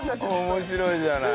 面白いじゃない。